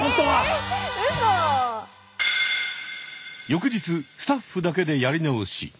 翌日スタッフだけでやり直し。